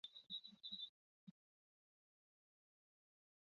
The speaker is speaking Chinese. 赖沙是德国巴伐利亚州的一个市镇。